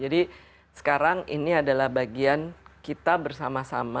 jadi sekarang ini adalah bagian kita bersama sama